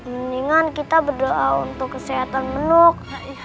mendingan kita berdoa untuk kesehatan menuk